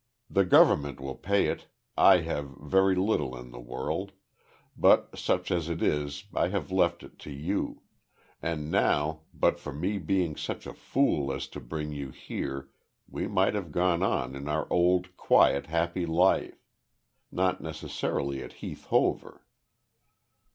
The Government will pay it, I have very little in the world, but such as it is I have left it to you and now but for me being such a fool as to bring you here we might have gone on in our old quiet, happy life; not necessarily at Heath Hover.